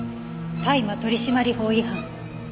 「大麻取締法違反」。